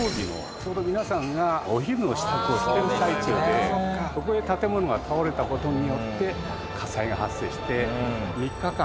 ちょうど皆さんがお昼の支度をしてる最中でそこへ建物が倒れた事によって火災が発生して。